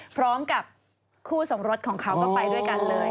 พร้อมกับคู่สมรสของเขาก็ไปด้วยกันเลย